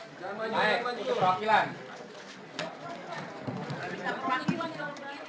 sama juga sama juga